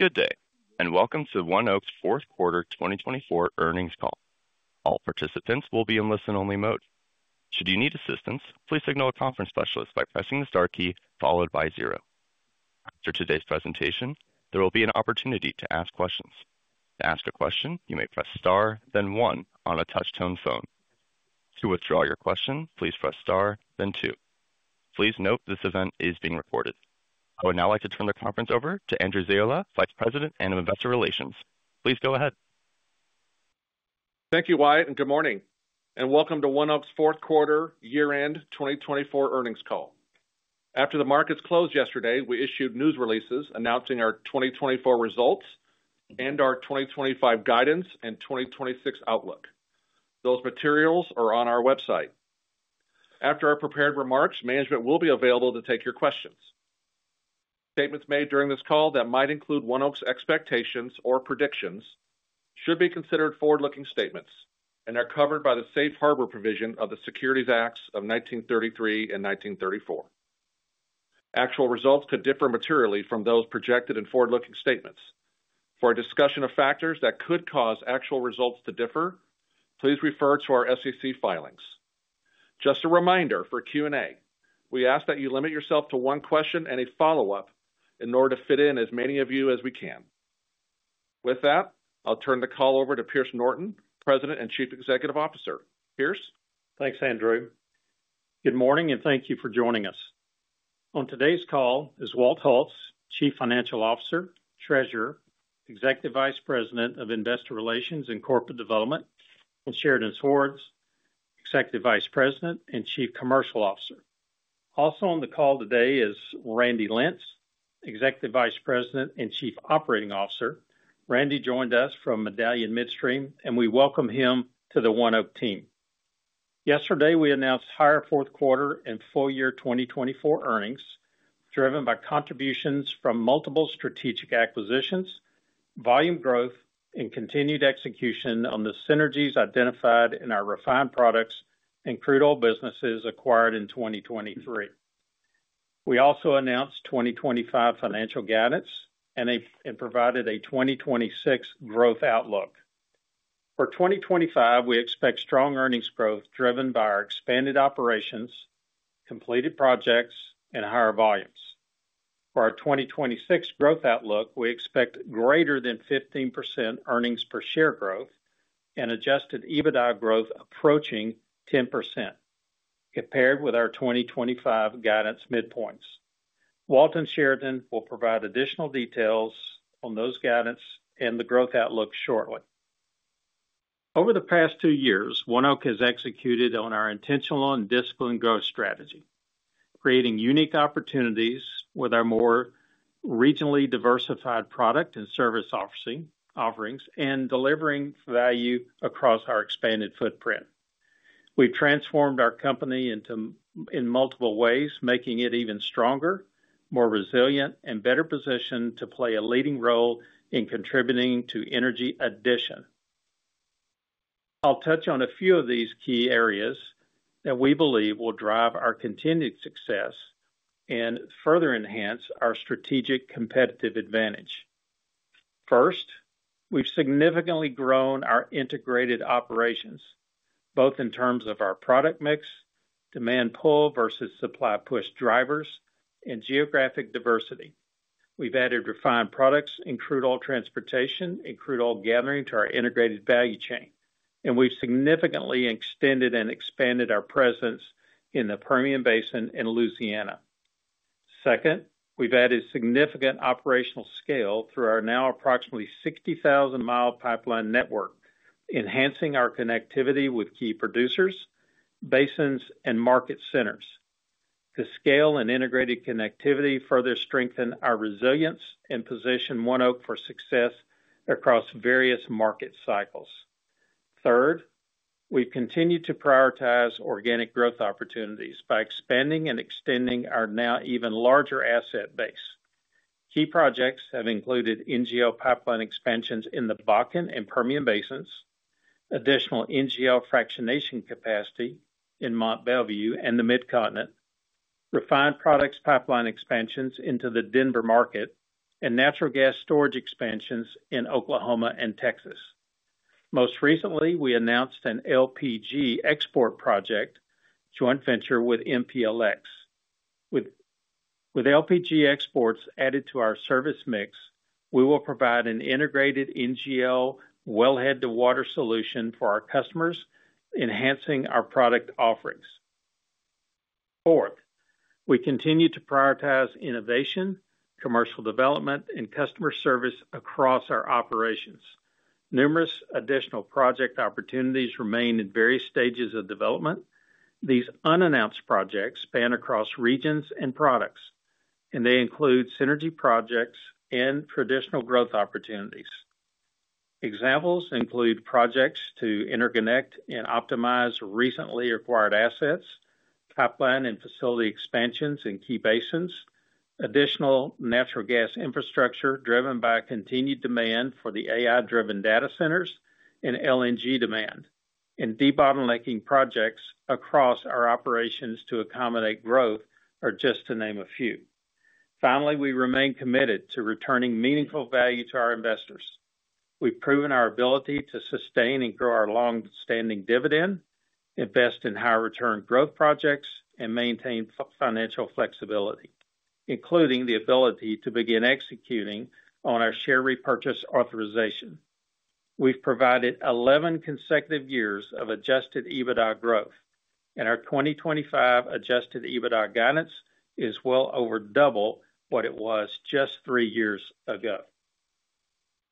Good day, and welcome to ONEOK's fourth quarter 2024 earnings call. All participants will be in listen-only mode. Should you need assistance, please signal a conference specialist by pressing the star key followed by zero. After today's presentation, there will be an opportunity to ask questions. To ask a question, you may press star, then one on a touch-tone phone. To withdraw your question, please press star, then two. Please note this event is being recorded. I would now like to turn the conference over to Andrew Ziola, Vice President of Investor Relations. Please go ahead. Thank you, Wyatt, and good morning, and welcome to ONEOK's fourth quarter year-end 2024 earnings call. After the markets closed yesterday, we issued news releases announcing our 2024 results and our 2025 guidance and 2026 outlook. Those materials are on our website. After our prepared remarks, management will be available to take your questions. Statements made during this call that might include ONEOK's expectations or predictions should be considered forward-looking statements and are covered by the safe harbor provision of the Securities Acts of 1933 and 1934. Actual results could differ materially from those projected in forward-looking statements. For a discussion of factors that could cause actual results to differ, please refer to our SEC filings. Just a reminder for Q&A, we ask that you limit yourself to one question and a follow-up in order to fit in as many of you as we can. With that, I'll turn the call over to Pierce Norton, President and Chief Executive Officer. Pierce? Thanks, Andrew. Good morning, and thank you for joining us. On today's call is Walt Hulse, Chief Financial Officer, Treasurer, Executive Vice President of Investor Relations and Corporate Development, and Sheridan Swords, Executive Vice President and Chief Commercial Officer. Also on the call today is Randy Lentz, Executive Vice President and Chief Operating Officer. Randy joined us from Medallion Midstream, and we welcome him to the ONEOK team. Yesterday, we announced higher fourth quarter and full year 2024 earnings driven by contributions from multiple strategic acquisitions, volume growth, and continued execution on the synergies identified in our refined products and crude oil businesses acquired in 2023. We also announced 2025 financial guidance and provided a 2026 growth outlook. For 2025, we expect strong earnings growth driven by our expanded operations, completed projects, and higher volumes. For our 2026 growth outlook, we expect greater than 15% earnings per share growth and Adjusted EBITDA growth approaching 10%, compared with our 2025 guidance midpoints. Walt and Sheridan will provide additional details on those guidance and the growth outlook shortly. Over the past two years, ONEOK has executed on our intentional and disciplined growth strategy, creating unique opportunities with our more regionally diversified product and service offerings and delivering value across our expanded footprint. We've transformed our company in multiple ways, making it even stronger, more resilient, and better positioned to play a leading role in contributing to energy addition. I'll touch on a few of these key areas that we believe will drive our continued success and further enhance our strategic competitive advantage. First, we've significantly grown our integrated operations, both in terms of our product mix, demand pull versus supply push drivers, and geographic diversity. We've added refined products and crude oil transportation and crude oil gathering to our integrated value chain, and we've significantly extended and expanded our presence in the Permian Basin and Louisiana. Second, we've added significant operational scale through our now approximately 60,000-mile pipeline network, enhancing our connectivity with key producers, basins, and market centers. The scale and integrated connectivity further strengthen our resilience and position ONEOK for success across various market cycles. Third, we've continued to prioritize organic growth opportunities by expanding and extending our now even larger asset base. Key projects have included NGL pipeline expansions in the Bakken and Permian Basins, additional NGL fractionation capacity in Mont Belvieu and the Mid-Continent, refined products pipeline expansions into the Denver market, and natural gas storage expansions in Oklahoma and Texas. Most recently, we announced an LPG export project joint venture with MPLX. With LPG exports added to our service mix, we will provide an integrated NGL wellhead to water solution for our customers, enhancing our product offerings. Fourth, we continue to prioritize innovation, commercial development, and customer service across our operations. Numerous additional project opportunities remain in various stages of development. These unannounced projects span across regions and products, and they include synergy projects and traditional growth opportunities. Examples include projects to interconnect and optimize recently acquired assets, pipeline and facility expansions in key basins, additional natural gas infrastructure driven by continued demand for the AI-driven data centers and LNG demand, and debottlenecking projects across our operations to accommodate growth are just to name a few. Finally, we remain committed to returning meaningful value to our investors. We've proven our ability to sustain and grow our long-standing dividend, invest in high-return growth projects, and maintain financial flexibility, including the ability to begin executing on our share repurchase authorization. We've provided 11 consecutive years of Adjusted EBITDA growth, and our 2025 Adjusted EBITDA guidance is well over double what it was just three years ago.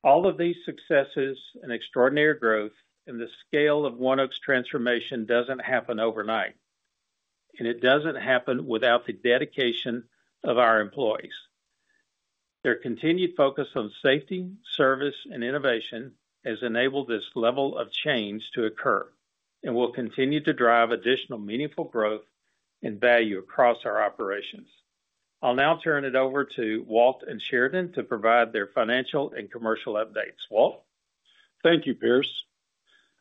All of these successes and extraordinary growth in the scale of ONEOK's transformation doesn't happen overnight, and it doesn't happen without the dedication of our employees. Their continued focus on safety, service, and innovation has enabled this level of change to occur and will continue to drive additional meaningful growth and value across our operations. I'll now turn it over to Walt and Sheridan to provide their financial and commercial updates. Walt? Thank you, Pierce.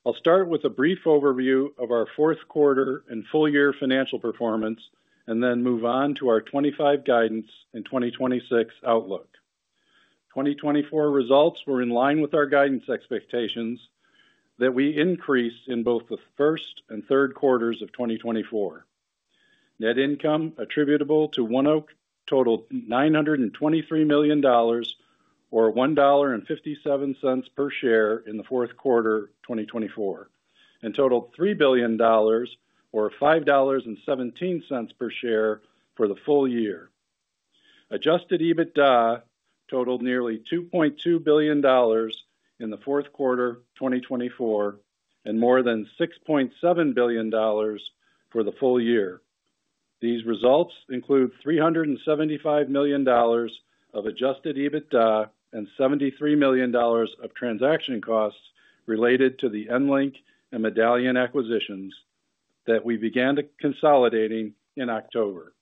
I'll start with a brief overview of our fourth quarter and full year financial performance and then move on to our 2025 guidance and 2026 outlook. 2024 results were in line with our guidance expectations that we increased in both the first and third quarters of 2024. Net income attributable to ONEOK totaled $923 million, or $1.57 per share in the fourth quarter 2024, and totaled $3 billion, or $5.17 per share for the full year. Adjusted EBITDA totaled nearly $2.2 billion in the fourth quarter 2024 and more than $6.7 billion for the full year. These results include $375 million of Adjusted EBITDA and $73 million of transaction costs related to the EnLink and Medallion acquisitions that we began consolidating in October.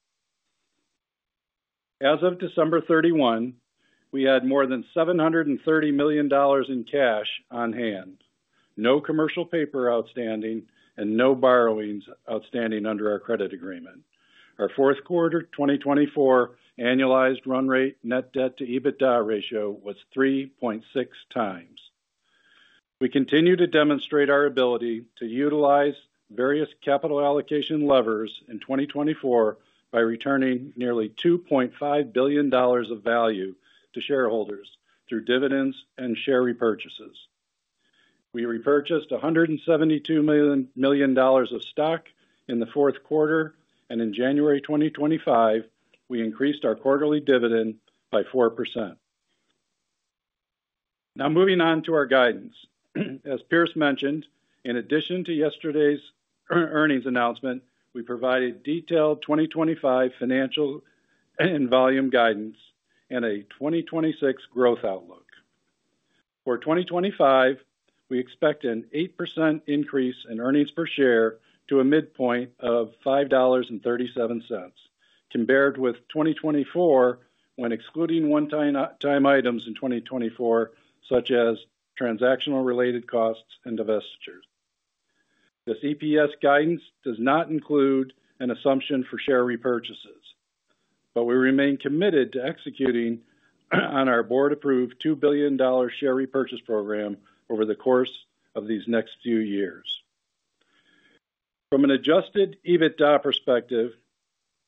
As of December 31, we had more than $730 million in cash on hand, no commercial paper outstanding, and no borrowings outstanding under our credit agreement. Our fourth quarter 2024 annualized run rate net debt-to-EBITDA ratio was 3.6x. We continue to demonstrate our ability to utilize various capital allocation levers in 2024 by returning nearly $2.5 billion of value to shareholders through dividends and share repurchases. We repurchased $172 million of stock in the fourth quarter, and in January 2025, we increased our quarterly dividend by 4%. Now, moving on to our guidance. As Pierce mentioned, in addition to yesterday's earnings announcement, we provided detailed 2025 financial and volume guidance and a 2026 growth outlook. For 2025, we expect an 8% increase in earnings per share to a midpoint of $5.37, compared with 2024 when excluding one-time items in 2024, such as transactional related costs and divestitures. This EPS guidance does not include an assumption for share repurchases, but we remain committed to executing on our board-approved $2 billion share repurchase program over the course of these next few years. From an Adjusted EBITDA perspective,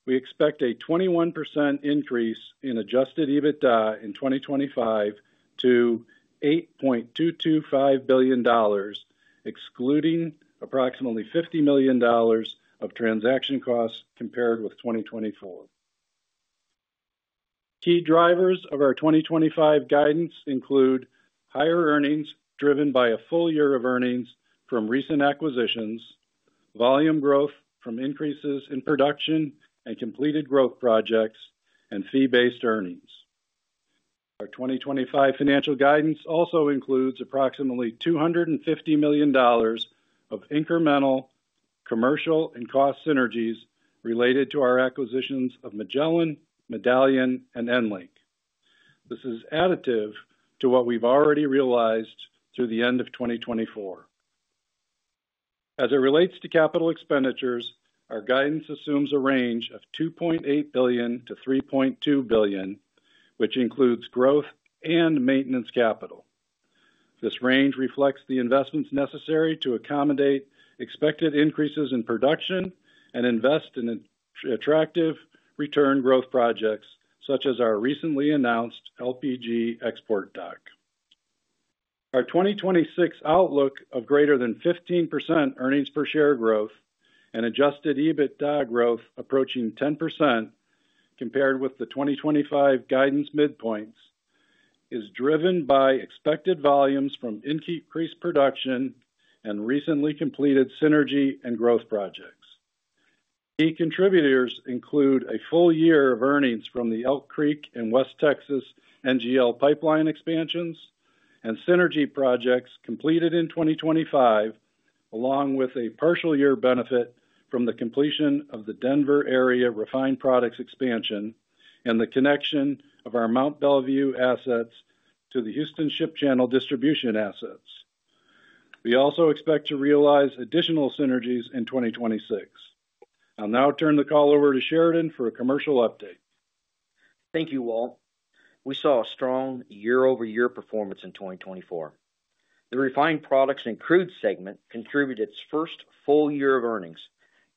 we expect a 21% increase in Adjusted EBITDA in 2025 to $8.225 billion, excluding approximately $50 million of transaction costs compared with 2024. Key drivers of our 2025 guidance include higher earnings driven by a full year of earnings from recent acquisitions, volume growth from increases in production and completed growth projects, and fee-based earnings. Our 2025 financial guidance also includes approximately $250 million of incremental commercial and cost synergies related to our acquisitions of Magellan, Medallion, and EnLink. This is additive to what we've already realized through the end of 2024. As it relates to capital expenditures, our guidance assumes a range of $2.8 billion-$3.2 billion, which includes growth and maintenance capital. This range reflects the investments necessary to accommodate expected increases in production and invest in attractive return growth projects, such as our recently announced LPG export dock. Our 2026 outlook of greater than 15% earnings per share growth and Adjusted EBITDA growth approaching 10%, compared with the 2025 guidance midpoints, is driven by expected volumes from increased production and recently completed synergy and growth projects. Key contributors include a full year of earnings from the Elk Creek and West Texas NGL pipeline expansions and synergy projects completed in 2025, along with a partial year benefit from the completion of the Denver area refined products expansion and the connection of our Mont Belvieu assets to the Houston Ship Channel distribution assets. We also expect to realize additional synergies in 2026. I'll now turn the call over to Sheridan for a commercial update. Thank you, Walt. We saw a strong year-over-year performance in 2024. The refined products and crude segment contributed its first full year of earnings,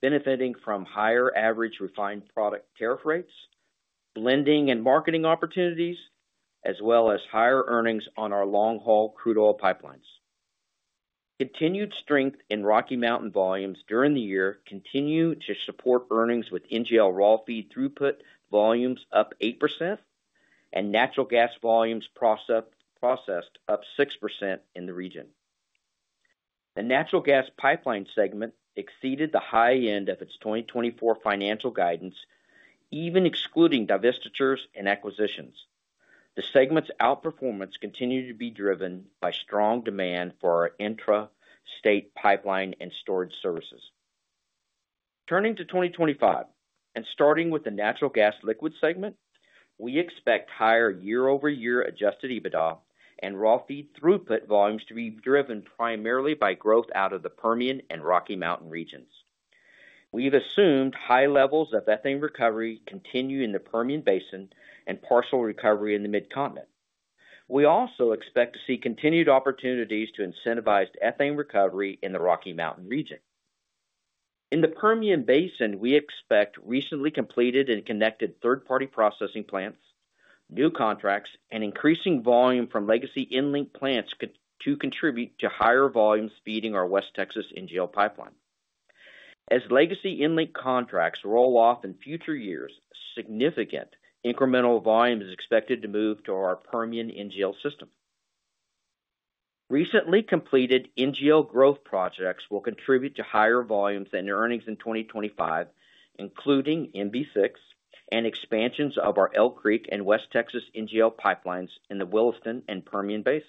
benefiting from higher average refined product tariff rates, blending and marketing opportunities, as well as higher earnings on our long-haul crude oil pipelines. Continued strength in Rocky Mountain volumes during the year continued to support earnings with NGL raw feed throughput volumes up 8% and natural gas volumes processed up 6% in the region. The natural gas pipeline segment exceeded the high end of its 2024 financial guidance, even excluding divestitures and acquisitions. The segment's outperformance continued to be driven by strong demand for our intra-state pipeline and storage services. Turning to 2025 and starting with the natural gas liquid segment, we expect higher year-over-year Adjusted EBITDA and raw feed throughput volumes to be driven primarily by growth out of the Permian and Rocky Mountain regions. We've assumed high levels of ethane recovery continue in the Permian Basin and partial recovery in the Mid-Continent. We also expect to see continued opportunities to incentivize ethane recovery in the Rocky Mountain region. In the Permian Basin, we expect recently completed and connected third-party processing plants, new contracts, and increasing volume from legacy EnLink plants to contribute to higher volume feeding our West Texas NGL Pipeline. As legacy EnLink contracts roll off in future years, significant incremental volume is expected to move to our Permian NGL system. Recently completed NGL growth projects will contribute to higher volumes and earnings in 2025, including MB-6 and expansions of our Elk Creek Pipeline and West Texas NGL Pipeline in the Williston Basin and Permian Basin.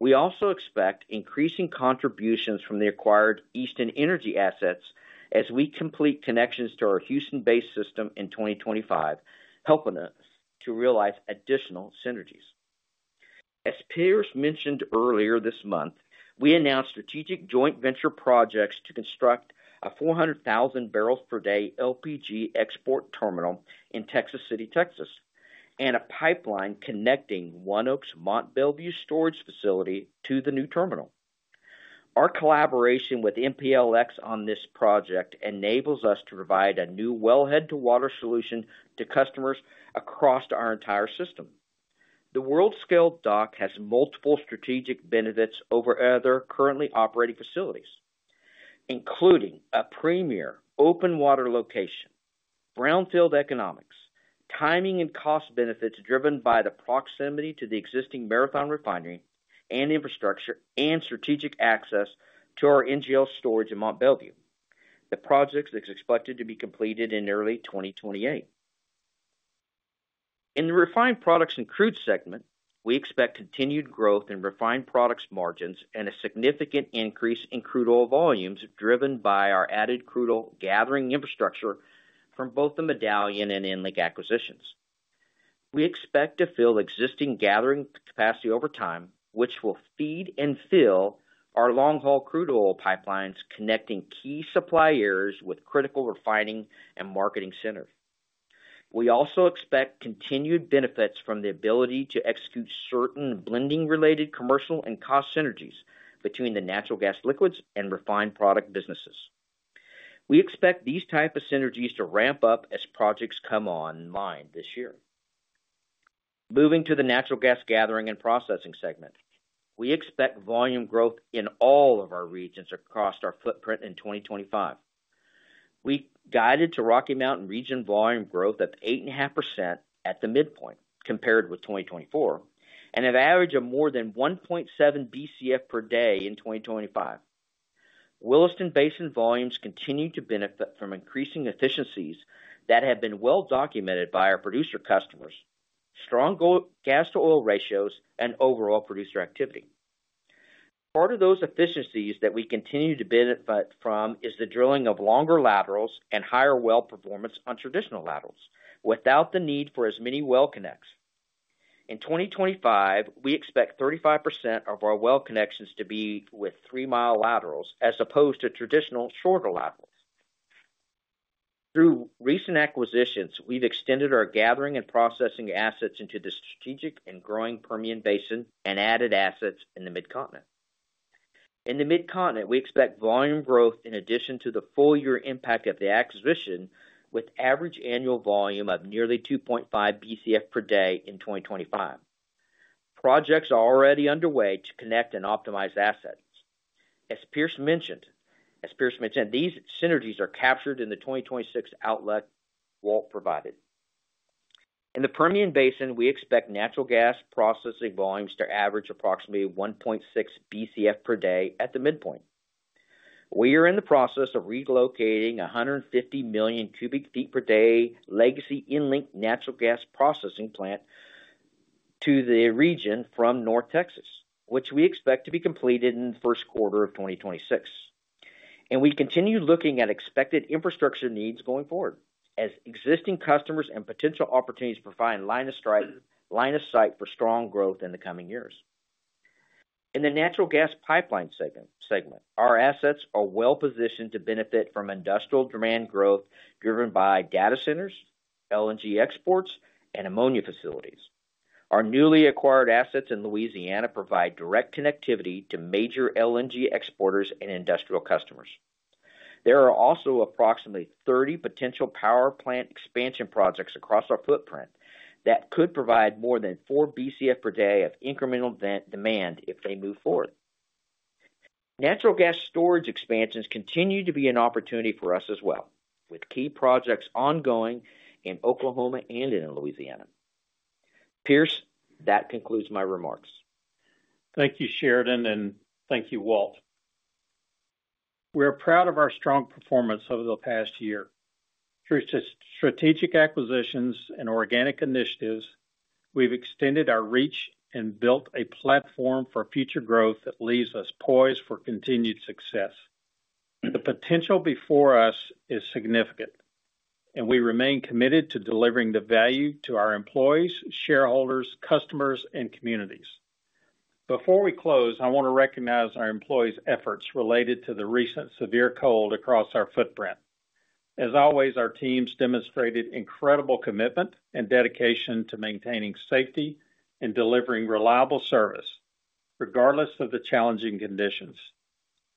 We also expect increasing contributions from the acquired Easton Energy assets as we complete connections to our Houston-based system in 2025, helping us to realize additional synergies. As Pierce mentioned earlier this month, we announced strategic joint venture projects to construct a 400,000 bbl/d LPG export terminal in Texas City, Texas, and a pipeline connecting ONEOK's Mont Belvieu storage facility to the new terminal. Our collaboration with MPLX on this project enables us to provide a new wellhead to water solution to customers across our entire system. The world-scale dock has multiple strategic benefits over other currently operating facilities, including a premier open water location, brownfield economics, timing and cost benefits driven by the proximity to the existing Marathon refinery and infrastructure, and strategic access to our NGL storage in Mont Belvieu, the project that's expected to be completed in early 2028. In the refined products and crude segment, we expect continued growth in refined products margins and a significant increase in crude oil volumes driven by our added crude oil gathering infrastructure from both the Medallion and EnLink acquisitions. We expect to fill existing gathering capacity over time, which will feed and fill our long-haul crude oil pipelines connecting key supply areas with critical refining and marketing centers. We also expect continued benefits from the ability to execute certain blending-related commercial and cost synergies between the natural gas liquids and refined product businesses. We expect these types of synergies to ramp up as projects come online this year. Moving to the natural gas gathering and processing segment, we expect volume growth in all of our regions across our footprint in 2025. We guided to Rocky Mountain region volume growth of 8.5% at the midpoint, compared with 2024, and an average of more than 1.7 BCF per day in 2025. Williston Basin volumes continue to benefit from increasing efficiencies that have been well documented by our producer customers, strong gas-to-oil ratios, and overall producer activity. Part of those efficiencies that we continue to benefit from is the drilling of longer laterals and higher well performance on traditional laterals without the need for as many well connects. In 2025, we expect 35% of our well connections to be with three-mile laterals as opposed to traditional shorter laterals. Through recent acquisitions, we've extended our gathering and processing assets into the strategic and growing Permian Basin and added assets in the Mid-Continent. In the Mid-Continent, we expect volume growth in addition to the full year impact of the acquisition, with average annual volume of nearly 2.5 BCF per day in 2025. Projects are already underway to connect and optimize assets. As Pierce mentioned, these synergies are captured in the 2026 outlook Walt provided. In the Permian Basin, we expect natural gas processing volumes to average approximately 1.6 BCF per day at the midpoint. We are in the process of relocating 150 million cu ft per day legacy EnLink natural gas processing plant to the region from North Texas, which we expect to be completed in the first quarter of 2026. We continue looking at expected infrastructure needs going forward as existing customers and potential opportunities provide fine line of sight for strong growth in the coming years. In the natural gas pipeline segment, our assets are well positioned to benefit from industrial demand growth driven by data centers, LNG exports, and ammonia facilities. Our newly acquired assets in Louisiana provide direct connectivity to major LNG exporters and industrial customers. There are also approximately 30 potential power plant expansion projects across our footprint that could provide more than 4 BCF per day of incremental demand if they move forward. Natural gas storage expansions continue to be an opportunity for us as well, with key projects ongoing in Oklahoma and in Louisiana. Pierce, that concludes my remarks. Thank you, Sheridan, and thank you, Walt. We're proud of our strong performance over the past year. Through strategic acquisitions and organic initiatives, we've extended our reach and built a platform for future growth that leaves us poised for continued success. The potential before us is significant, and we remain committed to delivering the value to our employees, shareholders, customers, and communities. Before we close, I want to recognize our employees' efforts related to the recent severe cold across our footprint. As always, our teams demonstrated incredible commitment and dedication to maintaining safety and delivering reliable service, regardless of the challenging conditions.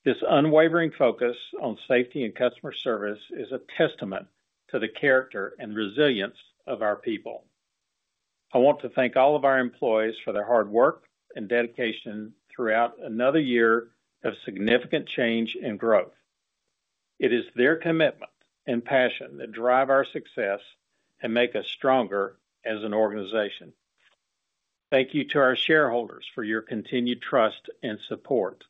This unwavering focus on safety and customer service is a testament to the character and resilience of our people. I want to thank all of our employees for their hard work and dedication throughout another year of significant change and growth. It is their commitment and passion that drive our success and make us stronger as an organization. Thank you to our shareholders for your continued trust and support.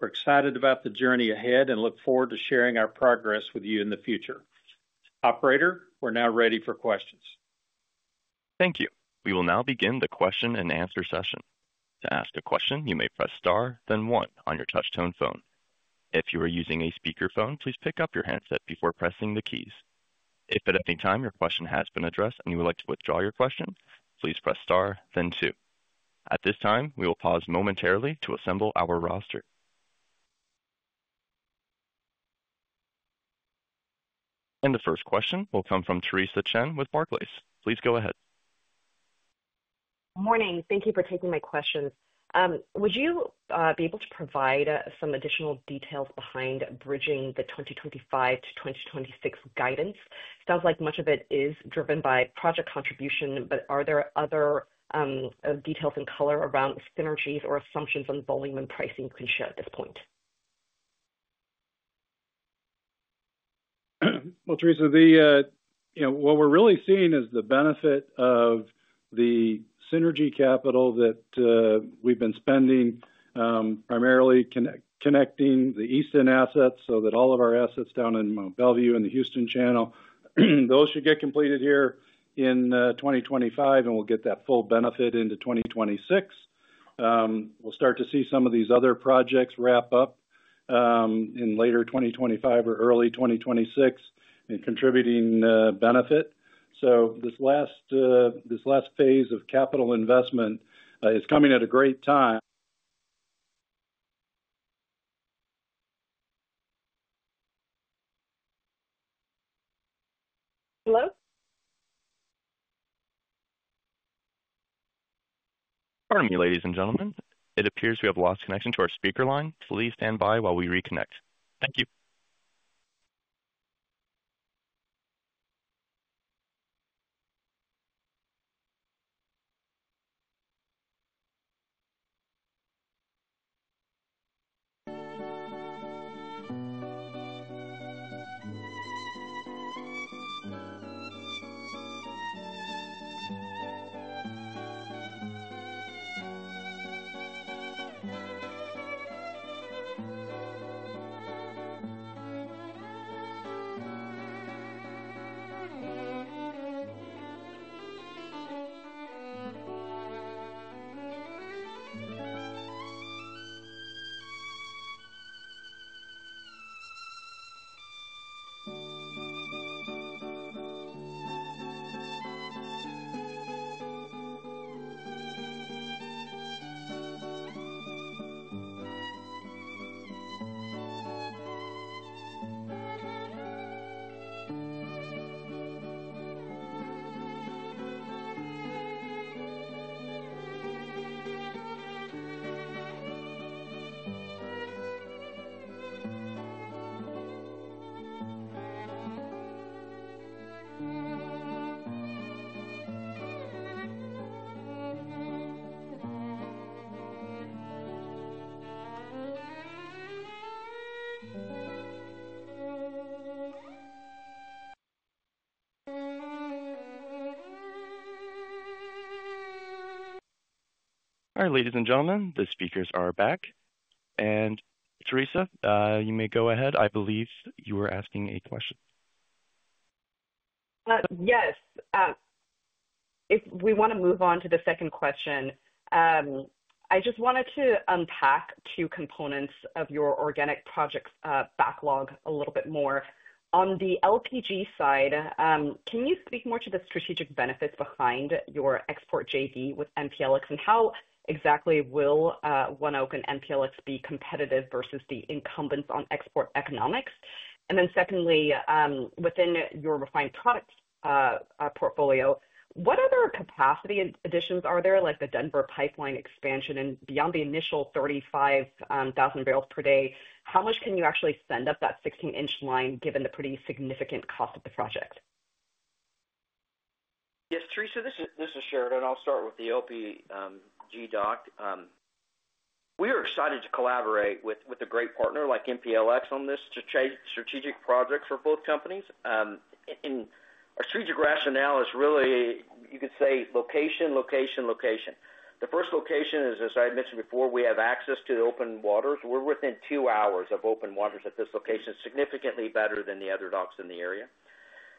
We're excited about the journey ahead and look forward to sharing our progress with you in the future. Operator, we're now ready for questions. Thank you. We will now begin the question and answer session. To ask a question, you may press star, then one on your touch-tone phone. If you are using a speakerphone, please pick up your handset before pressing the keys. If at any time your question has been addressed and you would like to withdraw your question, please press star, then two. At this time, we will pause momentarily to assemble our roster. The first question will come from Theresa Chen with Barclays. Please go ahead. Morning. Thank you for taking my questions. Would you be able to provide some additional details behind bridging the 2025 to 2026 guidance? Sounds like much of it is driven by project contribution, but are there other details in color around synergies or assumptions on volume and pricing you can share at this point? Theresa, the, you know, what we're really seeing is the benefit of the synergy capital that we've been spending primarily connecting the Easton assets so that all of our assets down in Mont Belvieu and the Houston Ship Channel, those should get completed here in 2025, and we'll get that full benefit into 2026. We'll start to see some of these other projects wrap up in later 2025 or early 2026 and contributing benefit. So this last phase of capital investment is coming at a great time. Hello? Pardon me, ladies and gentlemen. It appears we have lost connection to our speaker line. Please stand by while we reconnect. Thank you. All right, ladies and gentlemen, the speakers are back. And Theresa, you may go ahead. I believe you were asking a question. Yes. If we want to move on to the second question, I just wanted to unpack two components of your organic project backlog a little bit more. On the LPG side, can you speak more to the strategic benefits behind your export JV with MPLX, and how exactly will ONEOK and MPLX be competitive versus the incumbents on export economics? And then secondly, within your refined product portfolio, what other capacity additions are there, like the Denver pipeline expansion? And beyond the initial 35,000 bbl/d, how much can you actually send up that 16-inch line given the pretty significant cost of the project? Yes, Theresa, this is Sheridan. I'll start with the LPG dock. We are excited to collaborate with a great partner like MPLX on this strategic project for both companies, and our strategic rationale is really, you could say, location, location, location. The first location is, as I had mentioned before, we have access to open waters. We're within two hours of open waters at this location, significantly better than the other docks in the area.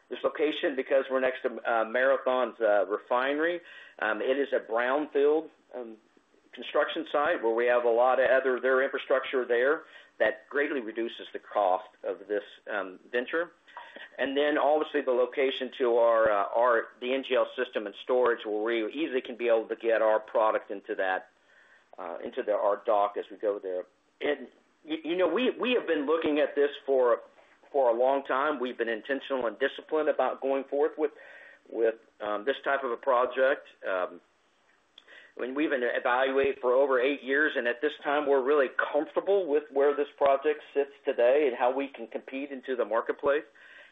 This location, because we're next to Marathon's refinery, it is a brownfield construction site where we have a lot of other infrastructure there that greatly reduces the cost of this venture, and then obviously the location to our NGL system and storage where we easily can be able to get our product into our dock as we go there, and you know, we have been looking at this for a long time. We've been intentional and disciplined about going forward with this type of a project. We've been evaluating for over eight years, and at this time, we're really comfortable with where this project sits today and how we can compete into the marketplace,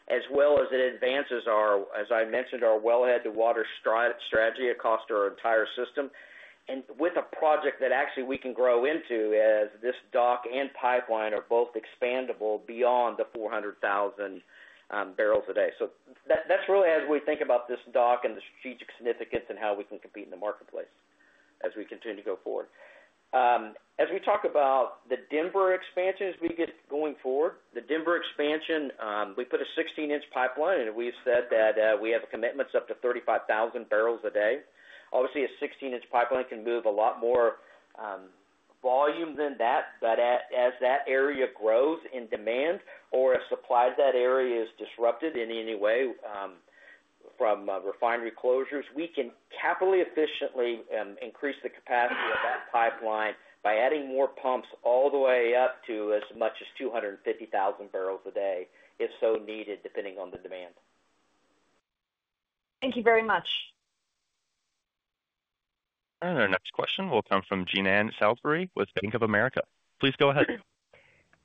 as well as it advances our, as I mentioned, our wellhead to water strategy across our entire system, and with a project that actually we can grow into as this dock and pipeline are both expandable beyond the 400,000 bbl a day, so that's really as we think about this dock and the strategic significance and how we can compete in the marketplace as we continue to go forward. As we talk about the Denver expansion as we get going forward, the Denver expansion, we put a 16-inch pipeline, and we've said that we have commitments up to 35,000 bbl a day. Obviously, a 16-inch pipeline can move a lot more volume than that, but as that area grows in demand or if supply to that area is disrupted in any way from refinery closures, we can actually efficiently increase the capacity of that pipeline by adding more pumps all the way up to as much as 250,000 bbl a day, if so needed, depending on the demand. Thank you very much. Our next question will come from Jean Ann Salisbury with Bank of America. Please go ahead.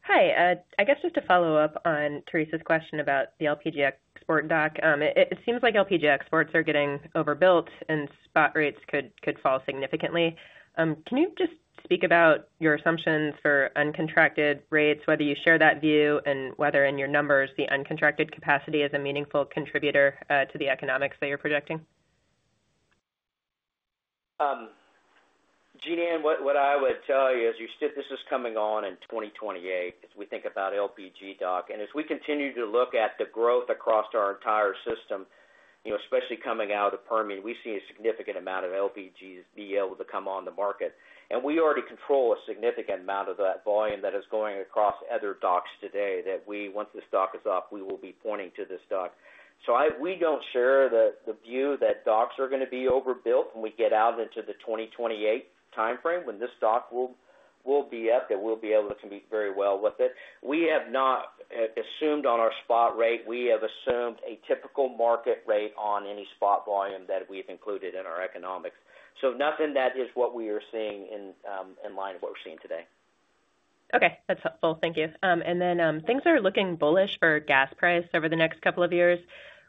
Hi. I guess just to follow up on Theresa's question about the LPG export dock, it seems like LPG exports are getting overbuilt, and spot rates could fall significantly. Can you just speak about your assumptions for uncontracted rates, whether you share that view, and whether in your numbers the uncontracted capacity is a meaningful contributor to the economics that you're projecting? Jean Ann, what I would tell you is this is coming on in 2028 as we think about LPG dock. And as we continue to look at the growth across our entire system, you know, especially coming out of the Permian, we see a significant amount of LPGs be able to come on the market. And we already control a significant amount of that volume that is going across other docks today that we, once this dock is up, we will be pointing to this dock. So we don't share the view that docks are going to be overbuilt when we get out into the 2028 timeframe when this dock will be up, that we'll be able to compete very well with it. We have not assumed on our spot rate. We have assumed a typical market rate on any spot volume that we've included in our economics. So, nothing that is what we are seeing in line with what we're seeing today. Okay. That's helpful. Thank you. And then things are looking bullish for gas price over the next couple of years.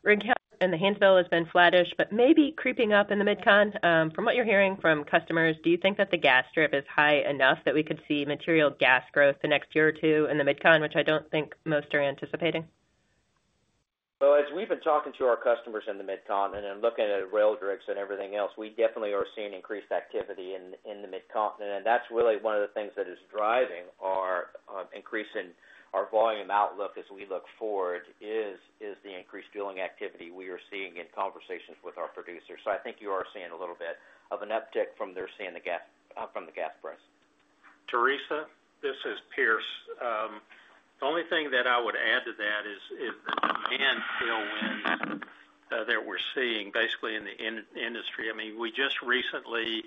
Rockies and the Haynesville has been flattish, but maybe creeping up in the Mid-Continent. From what you're hearing from customers, do you think that the gas growth is high enough that we could see material gas growth the next year or two in the Mid-Continent, which I don't think most are anticipating? As we've been talking to our customers in the Mid-Continent and looking at drill bits and everything else, we definitely are seeing increased activity in the Mid-Continent. That's really one of the things that is driving our increase in our volume outlook as we look forward is the increased drilling activity we are seeing in conversations with our producers. I think you are seeing a little bit of an uptick from the rising gas price. Theresa, this is Pierce. The only thing that I would add to that is the demand tailwinds that we're seeing basically in the industry. I mean, we just recently,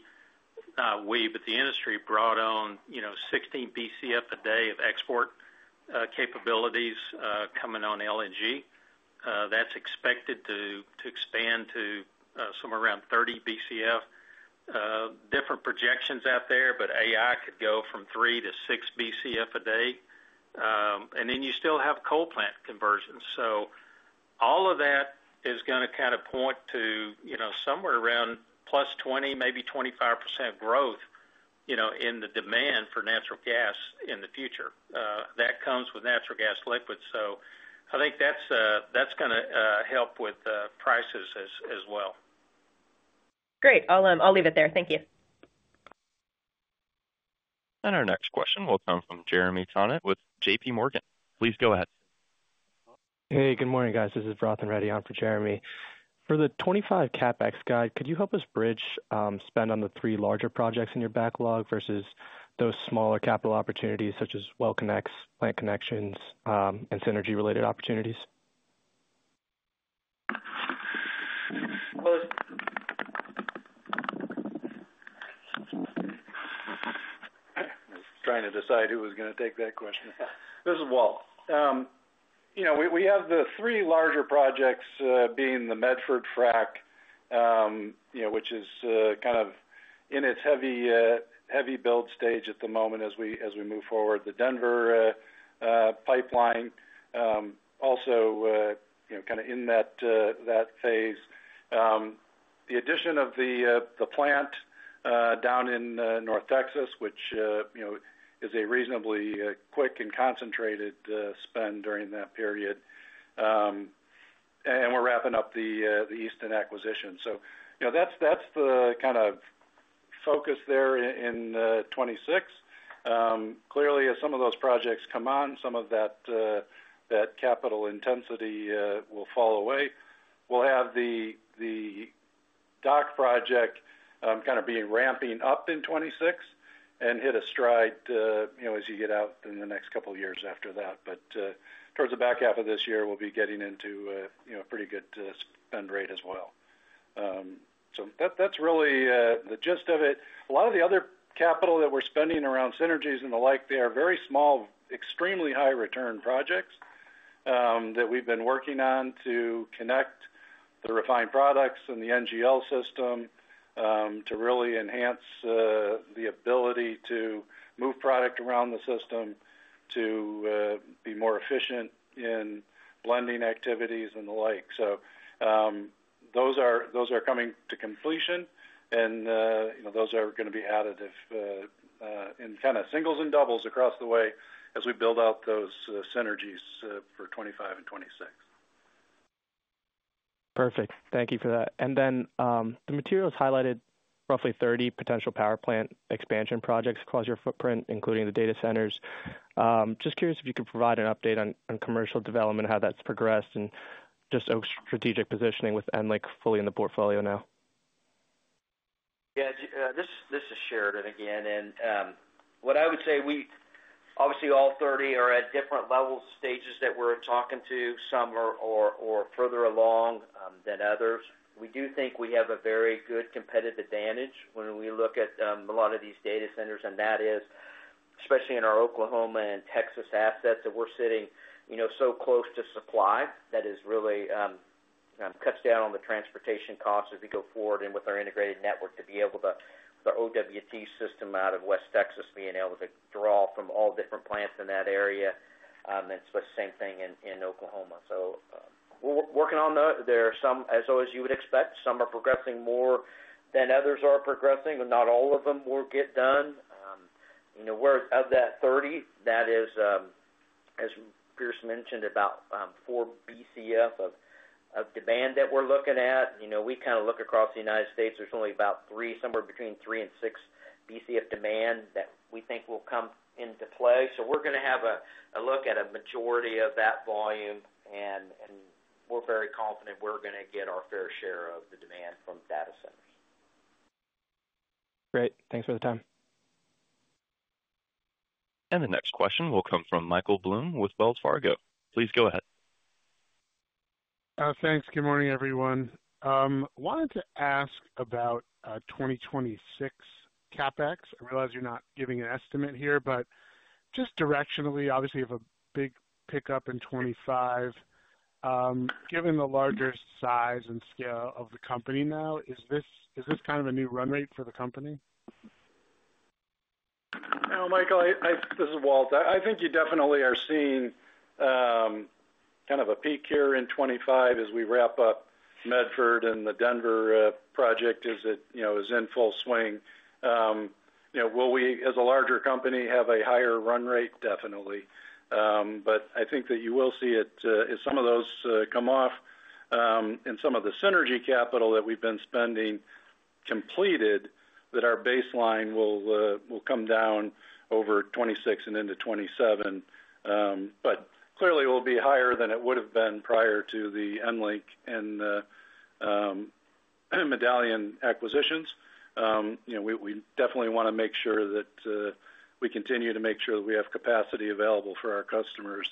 with the industry, brought on, you know, 16 BCF a day of export capabilities coming on LNG. That's expected to expand to somewhere around 30 BCF. Different projections out there, but AI could go from three to six BCF a day. And then you still have coal plant conversions. So all of that is going to kind of point to, you know, somewhere around +20%-25% growth, you know, in the demand for natural gas in the future. That comes with natural gas liquid. So I think that's going to help with prices as well. Great. I'll leave it there. Thank you. Our next question will come from Jeremy Tonet with J.P. Morgan. Please go ahead. Hey, good morning, guys. This is Rosh and ready on for Jeremy. For the 2025 CapEx guide, could you help us bridge spend on the three larger projects in your backlog versus those smaller capital opportunities such as well connects, plant connections, and synergy-related opportunities? I was trying to decide who was going to take that question. This is Walt. You know, we have the three larger projects being the Medford frac, you know, which is kind of in its heavy build stage at the moment as we move forward. The Denver pipeline also, you know, kind of in that phase. The addition of the plant down in North Texas, which, you know, is a reasonably quick and concentrated spend during that period. And we're wrapping up the Easton acquisition. So, you know, that's the kind of focus there in 2026. Clearly, as some of those projects come on, some of that capital intensity will fall away. We'll have the dock project kind of being ramping up in 2026 and hit a stride, you know, as you get out in the next couple of years after that. But towards the back half of this year, we'll be getting into, you know, a pretty good spend rate as well. So that's really the gist of it. A lot of the other capital that we're spending around synergies and the like, they are very small, extremely high-return projects that we've been working on to connect the refined products and the NGL system to really enhance the ability to move product around the system to be more efficient in blending activities and the like. So those are coming to completion, and those are going to be added in kind of singles and doubles across the way as we build out those synergies for 2025 and 2026. Perfect. Thank you for that. And then the materials highlighted roughly 30 potential power plant expansion projects across your footprint, including the data centers. Just curious if you could provide an update on commercial development, how that's progressed, and just strategic positioning with EnLink fully in the portfolio now. Yeah, this is Sheridan again. And what I would say, we obviously all 30 are at different level stages that we're talking to, some are further along than others. We do think we have a very good competitive advantage when we look at a lot of these data centers, and that is especially in our Oklahoma and Texas assets that we're sitting, you know, so close to supply that it really cuts down on the transportation costs as we go forward and with our integrated network to be able to, with our OWT system out of West Texas, being able to draw from all different plants in that area. And it's the same thing in Oklahoma. So we're working on those. There are some, as you would expect, some are progressing more than others are progressing, but not all of them will get done. You know, whereas of that 30, that is, as Pierce mentioned, about four BCF of demand that we're looking at. You know, we kind of look across the United States, there's only about three, somewhere between three and six BCF demand that we think will come into play. So we're going to have a look at a majority of that volume, and we're very confident we're going to get our fair share of the demand from data centers. Great. Thanks for the time. The next question will come from Michael Blum with Wells Fargo. Please go ahead. Thanks. Good morning, everyone. Wanted to ask about 2026 CapEx. I realize you're not giving an estimate here, but just directionally, obviously you have a big pickup in 2025. Given the larger size and scale of the company now, is this kind of a new run rate for the company? Michael, this is Walt. I think you definitely are seeing kind of a peak here in 2025 as we wrap up Medford and the Denver project is in full swing. You know, will we, as a larger company, have a higher run rate? Definitely. But I think that you will see it as some of those come off and some of the synergy capital that we've been spending completed that our baseline will come down over 2026 and into 2027. But clearly it will be higher than it would have been prior to the EnLink and Medallion acquisitions. You know, we definitely want to make sure that we continue to make sure that we have capacity available for our customers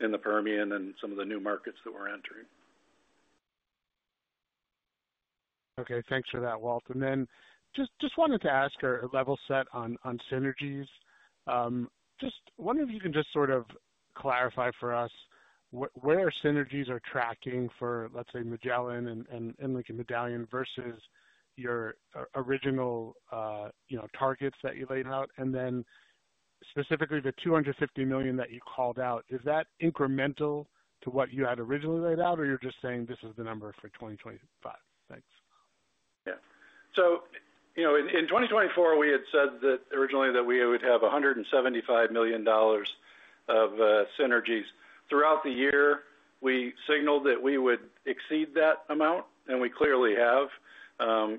in the Permian and some of the new markets that we're entering. Okay. Thanks for that, Walt. And then just wanted to ask or level set on synergies. Just wonder if you can just sort of clarify for us where synergies are tracking for, let's say, Magellan and EnLink and Medallion versus your original targets that you laid out. And then specifically the $250 million that you called out, is that incremental to what you had originally laid out, or you're just saying this is the number for 2025? Thanks. Yeah. So, you know, in 2024, we had said that originally that we would have $175 million of synergies. Throughout the year, we signaled that we would exceed that amount, and we clearly have.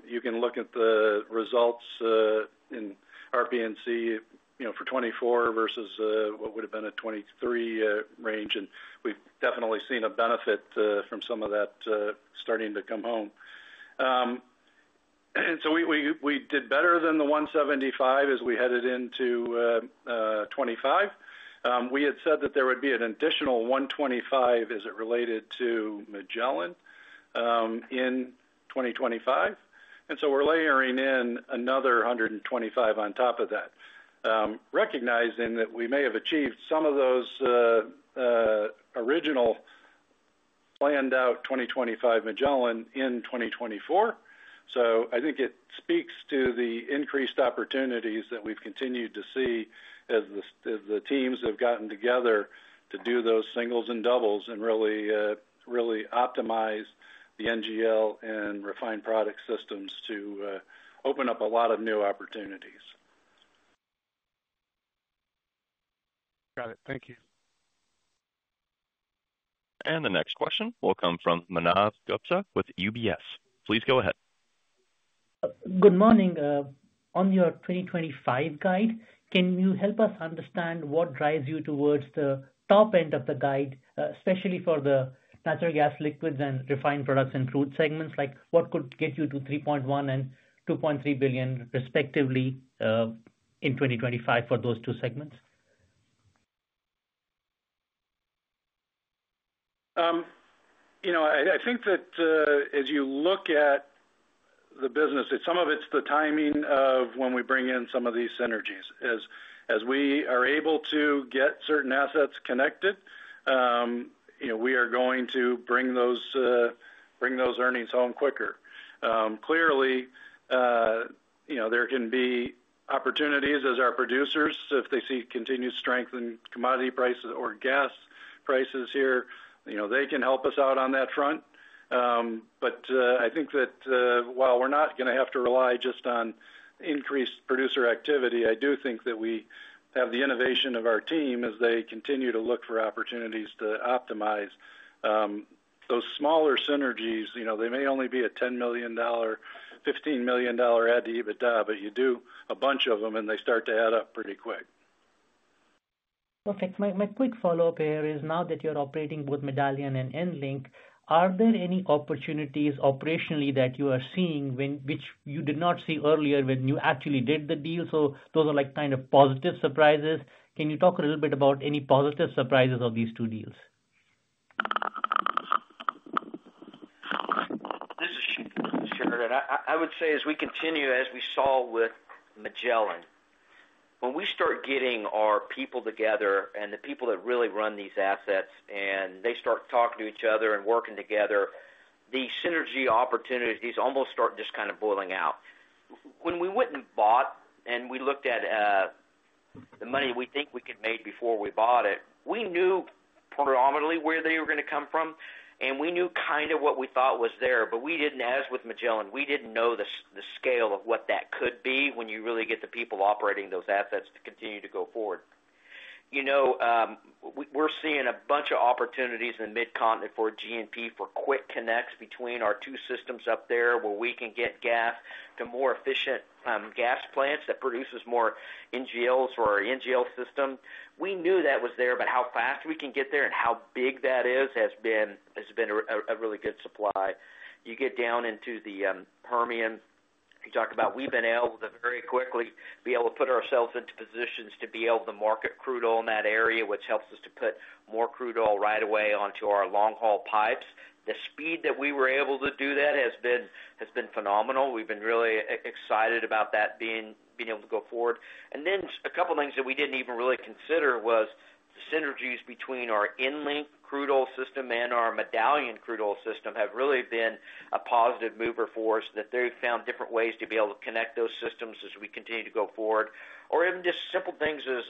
You can look at the results in RP&C, you know, for 2024 versus what would have been a 2023 range. And we've definitely seen a benefit from some of that starting to come home. And so we did better than the $175 million as we headed into 2025. We had said that there would be an additional $125 million as it related to Magellan in 2025. And so we're layering in another $125 million on top of that, recognizing that we may have achieved some of those original planned out 2025 Magellan in 2024. So I think it speaks to the increased opportunities that we've continued to see as the teams have gotten together to do those singles and doubles and really optimize the NGL and refined product systems to open up a lot of new opportunities. Got it. Thank you. The next question will come from Manav Gupta with UBS. Please go ahead. Good morning. On your 2025 guide, can you help us understand what drives you towards the top end of the guide, especially for the natural gas liquids and refined products and crude segments, like what could get you to $3.1 billion and $2.3 billion respectively in 2025 for those two segments? You know, I think that as you look at the business, some of it's the timing of when we bring in some of these synergies. As we are able to get certain assets connected, you know, we are going to bring those earnings home quicker. Clearly, you know, there can be opportunities as our producers, if they see continued strength in commodity prices or gas prices here, you know, they can help us out on that front. But I think that while we're not going to have to rely just on increased producer activity, I do think that we have the innovation of our team as they continue to look for opportunities to optimize those smaller synergies. You know, they may only be a $10 million, $15 million add to EBITDA, but you do a bunch of them and they start to add up pretty quick. Perfect. My quick follow-up here is now that you're operating both Medallion and EnLink, are there any opportunities operationally that you are seeing which you did not see earlier when you actually did the deal? So those are like kind of positive surprises. Can you talk a little bit about any positive surprises of these two deals? This is Sheridan. I would say as we continue, as we saw with Magellan, when we start getting our people together and the people that really run these assets and they start talking to each other and working together, the synergy opportunities almost start just kind of boiling out. When we went and bought and we looked at the money we think we could make before we bought it, we knew predominantly where they were going to come from and we knew kind of what we thought was there. But we didn't, as with Magellan, we didn't know the scale of what that could be when you really get the people operating those assets to continue to go forward. You know, we're seeing a bunch of opportunities in the Mid-Continent for G&P for quick connects between our two systems up there where we can get gas to more efficient gas plants that produce more NGLs for our NGL system. We knew that was there, but how fast we can get there and how big that is has been a really good surprise. You get down into the Permian. You talk about how we've been able to very quickly be able to put ourselves into positions to be able to market crude oil in that area, which helps us to put more crude oil right away onto our long-haul pipes. The speed that we were able to do that has been phenomenal. We've been really excited about that being able to go forward. And then a couple of things that we didn't even really consider was the synergies between our EnLink crude oil system and our Medallion crude oil system have really been a positive mover for us that they've found different ways to be able to connect those systems as we continue to go forward. Or even just simple things as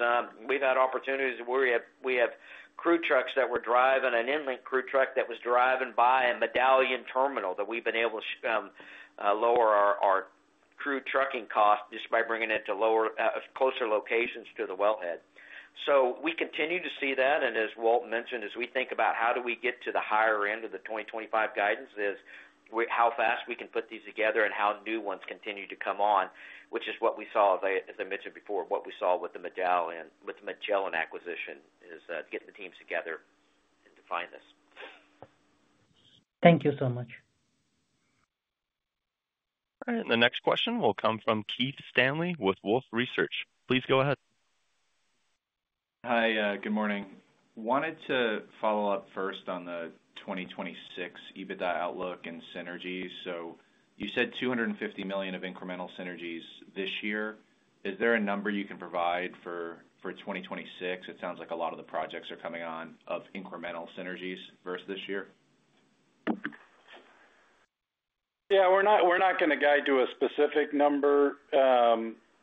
we've had opportunities where we have crude trucks that were driving an EnLink crude truck that was driving by a Medallion terminal that we've been able to lower our crude trucking costs just by bringing it to closer locations to the wellhead. So we continue to see that. As Walt mentioned, as we think about how we get to the higher end of the 2025 guidance is how fast we can put these together and how new ones continue to come on, which is what we saw, as I mentioned before, what we saw with the Medallion acquisition is getting the teams together and to find this. Thank you so much. All right. The next question will come from Keith Stanley with Wolfe Research. Please go ahead. Hi, good morning. Wanted to follow up first on the 2026 EBITDA outlook and synergies. So you said $250 million of incremental synergies this year. Is there a number you can provide for 2026? It sounds like a lot of the projects are coming on top of incremental synergies versus this year. Yeah, we're not going to guide to a specific number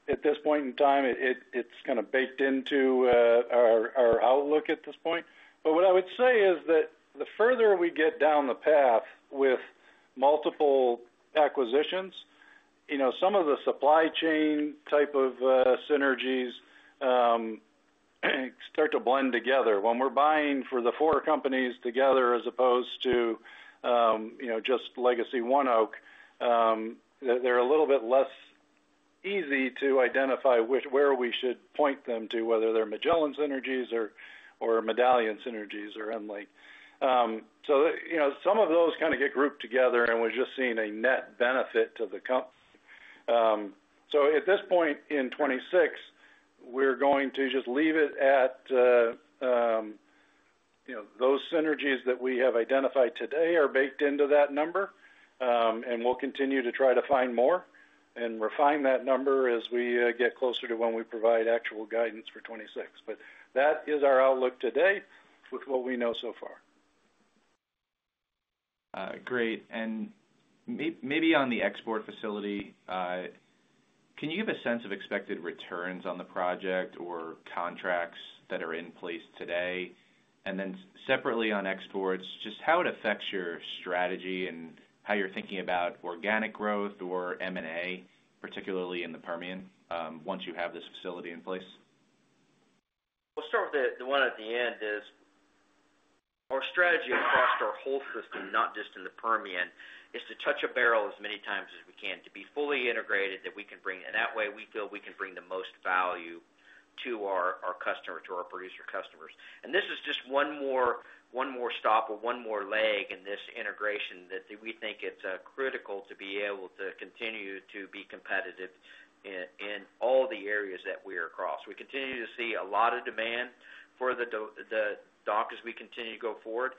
at this point in time. It's kind of baked into our outlook at this point. But what I would say is that the further we get down the path with multiple acquisitions, you know, some of the supply chain type of synergies start to blend together. When we're buying for the four companies together as opposed to, you know, just legacy ONEOK, they're a little bit less easy to identify where we should point them to, whether they're Magellan synergies or Medallion synergies or EnLink. So, you know, some of those kind of get grouped together and we're just seeing a net benefit to the company. So at this point in 2026, we're going to just leave it at, you know, those synergies that we have identified today are baked into that number. We'll continue to try to find more and refine that number as we get closer to when we provide actual guidance for 2026. That is our outlook today with what we know so far. Great. And maybe on the export facility, can you give a sense of expected returns on the project or contracts that are in place today? And then separately on exports, just how it affects your strategy and how you're thinking about organic growth or M&A, particularly in the Permian, once you have this facility in place? We'll start with the one at the end, which is our strategy across our whole system, not just in the Permian, is to touch a barrel as many times as we can to be fully integrated that we can bring. And that way we feel we can bring the most value to our customers, to our producer customers. And this is just one more stop or one more leg in this integration that we think it's critical to be able to continue to be competitive in all the areas that we are across. We continue to see a lot of demand for the dock as we continue to go forward.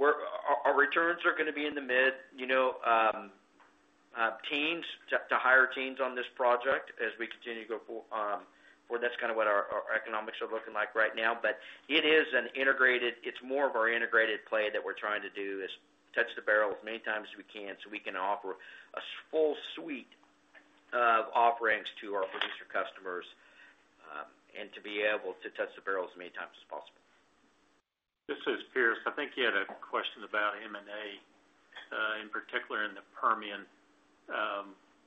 Our returns are going to be in the mid-teens, you know, to high-teens on this project as we continue to go forward. That's kind of what our economics are looking like right now. But it is an integrated. It's more of our integrated play that we're trying to do is touch the barrels as many times as we can so we can offer a full suite of offerings to our producer customers and to be able to touch the barrels as many times as possible. This is Pierce. I think you had a question about M&A in particular in the Permian.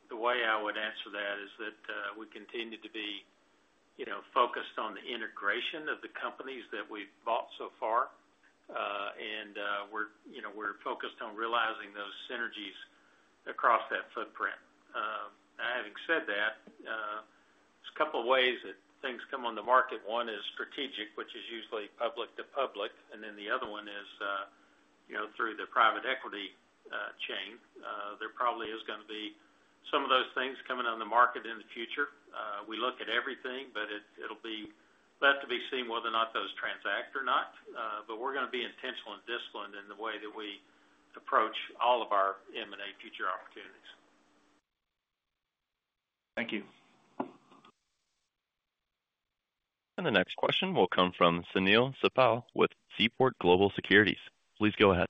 The way I would answer that is that we continue to be, you know, focused on the integration of the companies that we've bought so far. And we're, you know, we're focused on realizing those synergies across that footprint. Having said that, there's a couple of ways that things come on the market. One is strategic, which is usually public to public. And then the other one is, you know, through the private equity chain. There probably is going to be some of those things coming on the market in the future. We look at everything, but it'll be left to be seen whether or not those transact or not. But we're going to be intentional and disciplined in the way that we approach all of our M&A future opportunities. Thank you. And the next question will come from Sunil Sibal with Seaport Global Securities. Please go ahead.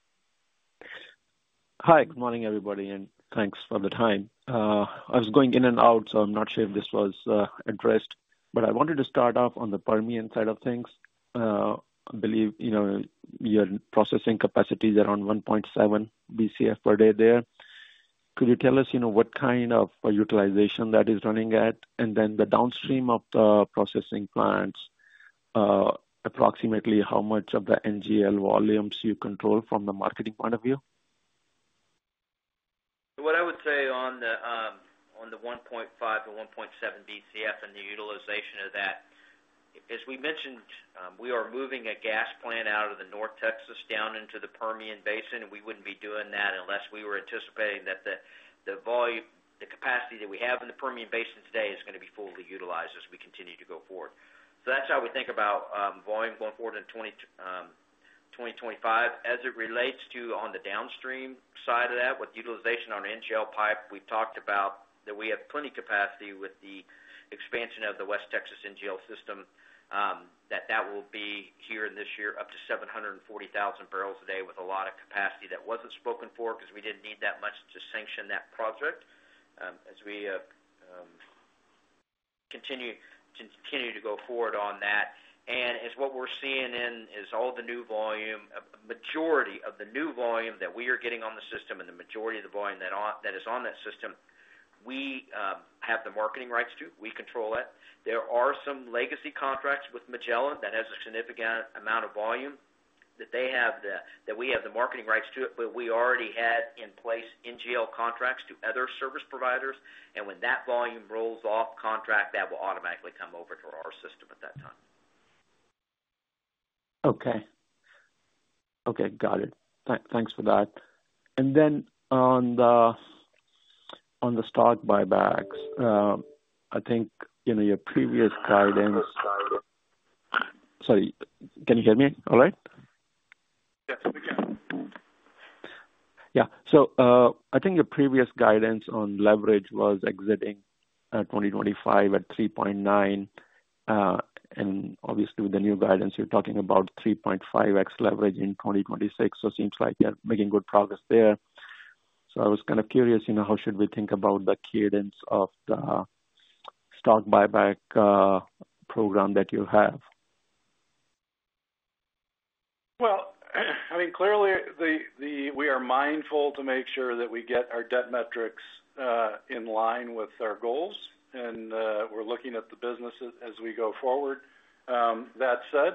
Hi, good morning everybody, and thanks for the time. I was going in and out, so I'm not sure if this was addressed, but I wanted to start off on the Permian side of things. I believe, you know, your processing capacity is around 1.7 BCF per day there. Could you tell us, you know, what kind of utilization that is running at and then the downstream of the processing plants, approximately how much of the NGL volumes you control from the marketing point of view? What I would say on the 1.5-1.7 BCF and the utilization of that, as we mentioned, we are moving a gas plant out of the North Texas down into the Permian Basin. We wouldn't be doing that unless we were anticipating that the volume, the capacity that we have in the Permian Basin today is going to be fully utilized as we continue to go forward, so that's how we think about volume going forward in 2025. As it relates to on the downstream side of that, with utilization on NGL pipe, we've talked about that we have plenty of capacity with the expansion of the West Texas NGL system that will be here in this year up to 740,000 bbl a day with a lot of capacity that wasn't spoken for because we didn't need that much to sanction that project as we continue to go forward on that, and as what we're seeing in is all the new volume, a majority of the new volume that we are getting on the system and the majority of the volume that is on that system, we have the marketing rights to. We control that. There are some legacy contracts with Magellan that have a significant amount of volume that they have, that we have the marketing rights to it, but we already had in place NGL contracts to other service providers, and when that volume rolls off contract, that will automatically come over to our system at that time. Okay. Okay, got it. Thanks for that. And then on the stock buybacks, I think, you know, your previous guidance. Sorry, can you hear me all right? Yes, we can. Yeah. So I think your previous guidance on leverage was exiting 2025 at 3.9. And obviously, with the new guidance, you're talking about 3.5x leverage in 2026. So it seems like you're making good progress there. So I was kind of curious, you know, how should we think about the cadence of the stock buyback program that you have? I mean, clearly, we are mindful to make sure that we get our debt metrics in line with our goals. We're looking at the business as we go forward. That said,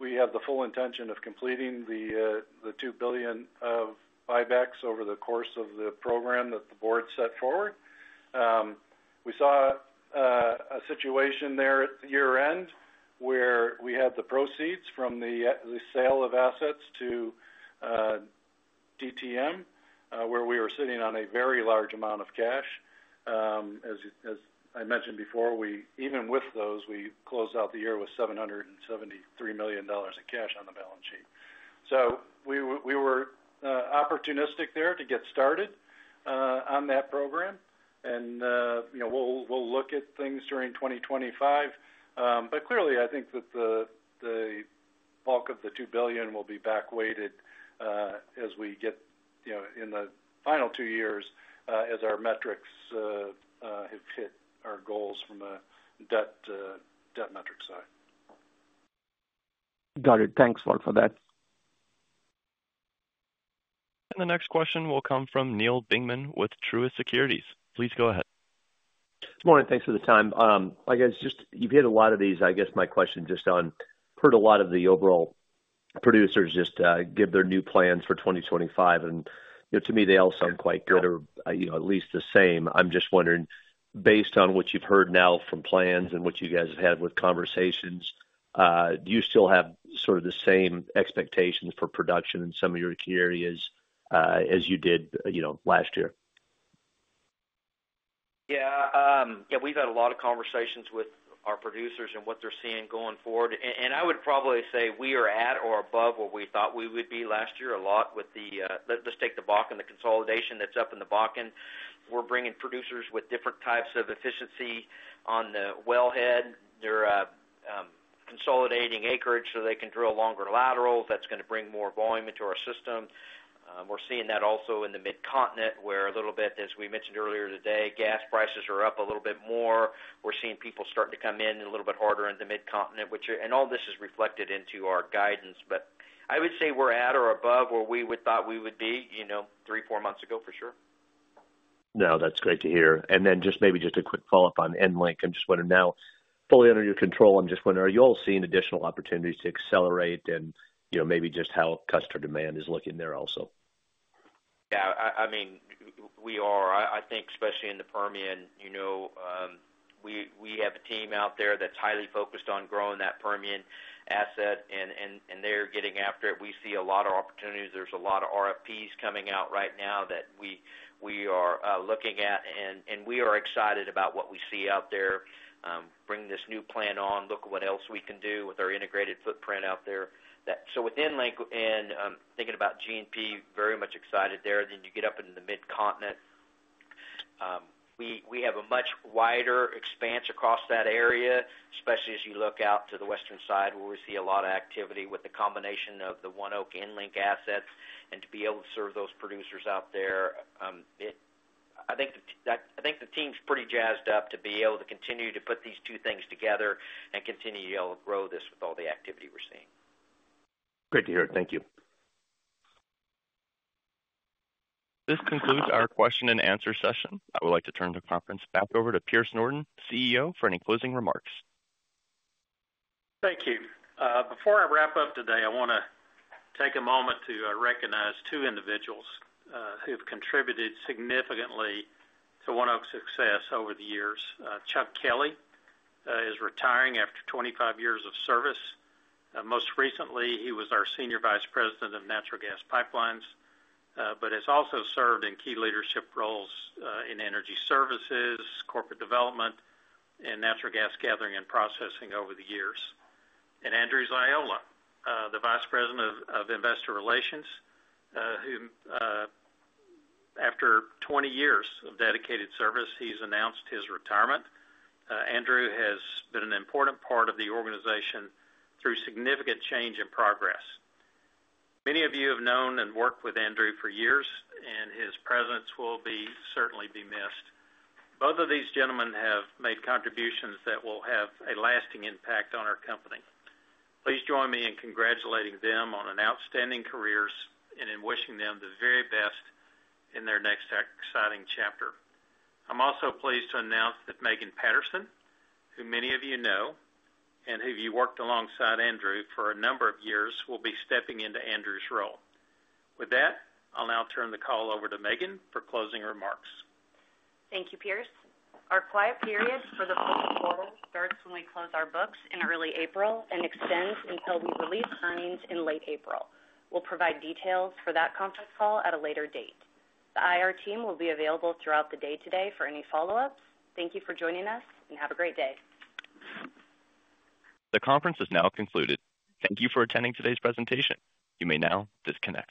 we have the full intention of completing the $2 billion of buybacks over the course of the program that the board set forward. We saw a situation there at the year-end where we had the proceeds from the sale of assets to DTM, where we were sitting on a very large amount of cash. As I mentioned before, even with those, we closed out the year with $773 million of cash on the balance sheet. We were opportunistic there to get started on that program. You know, we'll look at things during 2025. But clearly, I think that the bulk of the $2 billion will be back weighted as we get, you know, in the final two years as our metrics have hit our goals from a debt metric side. Got it. Thanks, Walt, for that. The next question will come from Neal Dingmann with Truist Securities. Please go ahead. Good morning. Thanks for the time. Like I said, just you've hit a lot of these, I guess, my questions. Just on, I've heard a lot of the overall producers just give their new plans for 2025, and, you know, to me, they all sound quite good or, you know, at least the same. I'm just wondering, based on what you've heard now from plans and what you guys have had with conversations, do you still have sort of the same expectations for production in some of your key areas as you did, you know, last year? Yeah. Yeah, we've had a lot of conversations with our producers and what they're seeing going forward. And I would probably say we are at or above what we thought we would be last year a lot with the, let's take the Bakken and the consolidation that's up in the Bakken. We're bringing producers with different types of efficiency on the wellhead. They're consolidating acreage so they can drill longer laterals. That's going to bring more volume into our system. We're seeing that also in the Mid-Continent where a little bit, as we mentioned earlier today, gas prices are up a little bit more. We're seeing people starting to come in a little bit harder in the Mid-Continent, which, and all this is reflected into our guidance. But I would say we're at or above where we would thought we would be, you know, three, four months ago for sure. No, that's great to hear. And then just maybe a quick follow-up on EnLink. I'm just wondering, now fully under your control, are you all seeing additional opportunities to accelerate and, you know, maybe just how customer demand is looking there also? Yeah, I mean, we are, I think, especially in the Permian, you know, we have a team out there that's highly focused on growing that Permian asset and they're getting after it. We see a lot of opportunities. There's a lot of RFPs coming out right now that we are looking at. And we are excited about what we see out there, bring this new plant on, look at what else we can do with our integrated footprint out there. So with EnLink and thinking about G&P, very much excited there. Then you get up in the Mid-Continent, we have a much wider expanse across that area, especially as you look out to the western side where we see a lot of activity with the combination of the ONEOK EnLink asset and to be able to serve those producers out there. I think the team's pretty jazzed up to be able to continue to put these two things together and continue to be able to grow this with all the activity we're seeing. Great to hear it. Thank you. This concludes our question and answer session. I would like to turn the conference back over to Pierce Norton, CEO, for any closing remarks. Thank you. Before I wrap up today, I want to take a moment to recognize two individuals who have contributed significantly to ONEOK's success over the years. Chuck Kelley is retiring after 25 years of service. Most recently, he was our Senior Vice President of Natural Gas Pipelines, but has also served in key leadership roles in energy services, corporate development, and natural gas gathering and processing over the years. And Andrew Ziola, the Vice President of Investor Relations, who, after 20 years of dedicated service, he's announced his retirement. Andrew has been an important part of the organization through significant change and progress. Many of you have known and worked with Andrew for years, and his presence will certainly be missed. Both of these gentlemen have made contributions that will have a lasting impact on our company. Please join me in congratulating them on an outstanding career and in wishing them the very best in their next exciting chapter. I'm also pleased to announce that Megan Patterson, who many of you know and who you worked alongside Andrew for a number of years, will be stepping into Andrew's role. With that, I'll now turn the call over to Megan for closing remarks. Thank you, Pierce. Our quiet period for the fiscal quarter starts when we close our books in early April and extends until we release earnings in late April. We'll provide details for that conference call at a later date. The IR team will be available throughout the day today for any follow-ups. Thank you for joining us and have a great day. The conference is now concluded. Thank you for attending today's presentation. You may now disconnect.